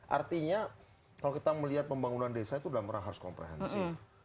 artinya kalau kita melihat pembangunan desa itu dalam rangka harus komprehensif